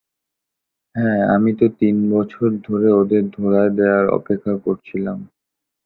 হ্যাঁ, আমি তো তিনবছর ধরে ওদের ধোলাই দেয়ার অপেক্ষা করছিলাম।